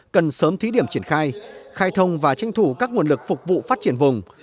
cần sớm thí điểm triển khai khai thông và tranh thủ các nguồn lực phục vụ phát triển vùng